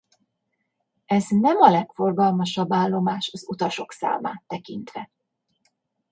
Ez nem a legforgalmasabb állomás az utasok számát tekintve.